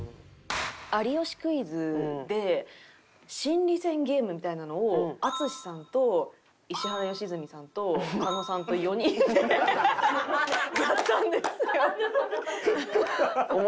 『有吉クイズ』で心理戦ゲームみたいなのを淳さんと石原良純さんと狩野さんと４人でやったんですよ。